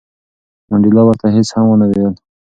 منډېلا ورته هیڅ هم ونه ویل.